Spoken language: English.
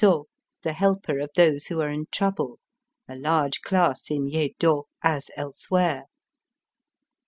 to Ji zo, the helper of those who are in trouble —a large class in Yedo as elsewhere.